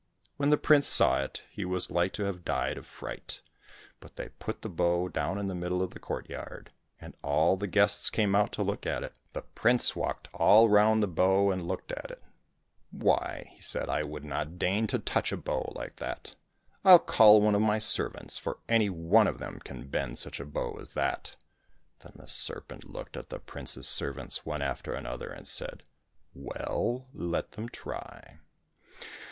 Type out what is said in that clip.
When the prince saw it, he was like to have died of fright ; but they put the bow down in the middle of the courtyard, and all the guests came out to look at it. The prince walked all round the bow and looked at it. " Why," said he, " I would not deign to touch a bow like that. I'll call one of my servants, for any one of them can bend such a bow as that !" Then the serpent looked at the prince's servants one after the other, and said, " Well, let them try